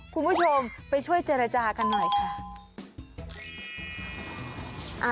คุณผู้ชมไปช่วยเจรจากันหน่อยค่ะ